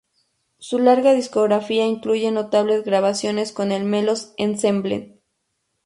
Su larga discografía incluye notables grabaciones con el Melos Ensemble.